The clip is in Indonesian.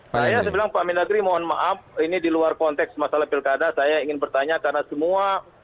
saya bilang pak mendagri mohon maaf ini di luar konteks masalah pilkada saya ingin bertanya karena semua